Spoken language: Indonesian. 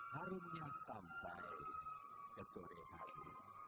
harumnya sampai ke sore hari